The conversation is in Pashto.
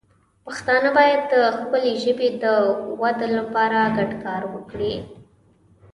پښتانه باید د خپلې ژبې د وده لپاره ګډ کار وکړي.